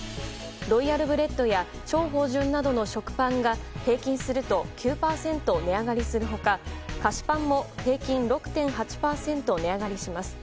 ロイヤルブレッドや超芳醇などの食パンが平均すると９％値上がりする他菓子パンも平均６．８％値上がりします。